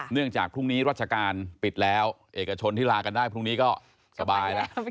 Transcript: จากพรุ่งนี้รัชการปิดแล้วเอกชนที่ลากันได้พรุ่งนี้ก็สบายแล้ว